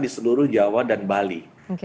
di seluruh jawa dan bali